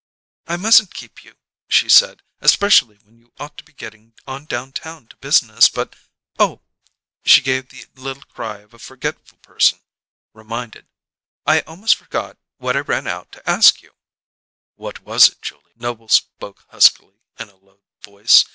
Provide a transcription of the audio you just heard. "I mustn't keep you," she said, "especially when you ought to be getting on downtown to business, but Oh!" She gave the little cry of a forgetful person reminded. "I almost forgot what I ran out to ask you!" "What was it, Julia?" Noble spoke huskily, in a low voice.